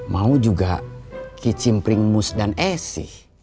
mau juga kicimpring mus dan esi